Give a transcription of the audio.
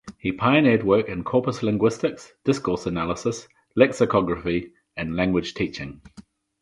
He pioneered work in corpus linguistics, discourse analysis, lexicography, and language teaching.